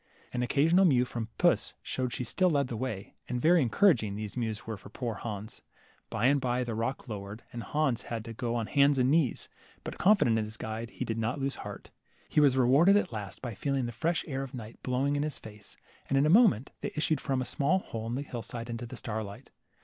An occasional mew from puss showed she still led the way, and very encouraging these mews were for poor Hans. By and by the rock lowered, and Hans had to ■ 3 34 LITTLE HANS. go on hands and knees^ but, confident in his guide, he did not lose heart. He was rewarded at last by feeling the fresh air of night blowing in his face, and in a moment they issued from a small hole in the hill side into the starlight.